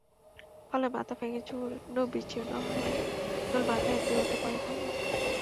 ফলে মাথা ভেংগে চূর্ণ-বিচূর্ণ হয়ে কেবল মাথাহীন দেহটি পড়ে থাকে।